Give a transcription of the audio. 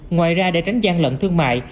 ngoài ra để tránh gian lận thương mại